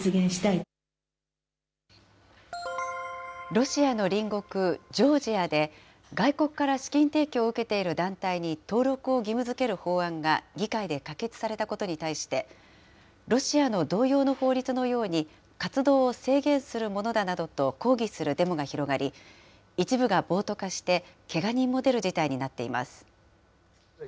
ロシアの隣国、ジョージアで、外国から資金提供を受けている団体に登録を義務づける法案が議会で可決されたことに対して、ロシアの同様の法律のように、活動を制限するものだなどと抗議するデモが広がり、一部が暴徒化してけが人も出る事態になっています。